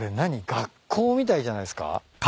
学校みたいじゃないっすか？